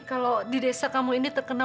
kalau di desa kamu ini terkenal